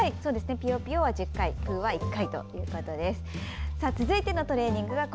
ぴよぴよは１０回ぷーは１回ということです。